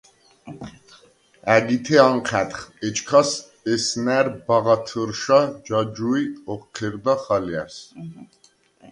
ა̈გითე ანჴა̈დხ, ეჩქას ესნა̈რ ბაღათჷრშა ჯაჯუ̄ჲ ოხჴერდახ ალჲა̈რს.